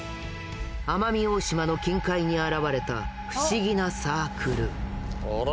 奄美大島の近海に現れた不思議なサークルあら！